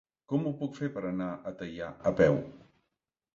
Com ho puc fer per anar a Teià a peu?